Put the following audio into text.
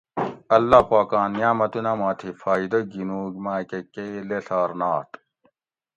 اللّہ پاکاں نعمتونہ ما تھی فائیدہ گِھنوگ ماکہ کئی لیڷار نات